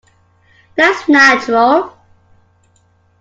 That's natural.